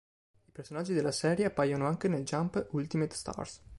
I personaggi della serie appaiono anche nel "Jump Ultimate Stars".